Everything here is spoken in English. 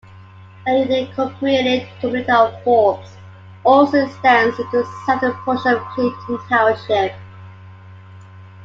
The unincorporated community of Forbes also extends into the southern portion of Clinton Township.